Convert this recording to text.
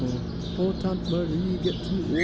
Po' Tante Marie get too ol'.